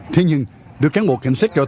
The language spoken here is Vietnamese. thế nhưng được cán bộ cảnh sát cho biết